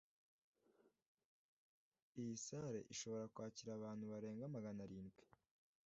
iyi sale ishobora kwakira abantu barenga magana arindwi